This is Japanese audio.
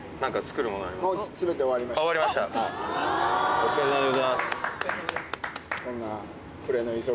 お疲れさまでございます。